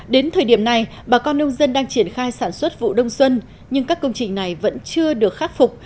đến thời điểm này bà con nông dân đang triển khai sản xuất vụ đông xuân nhưng các công trình này vẫn chưa được khắc phục